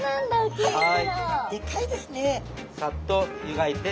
はい。